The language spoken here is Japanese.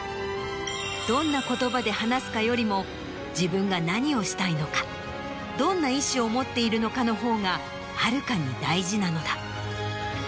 どんな言葉で話すかよりも自分が何をしたいのかどんな意思を持っているのかの方がはるかに大事なのだ。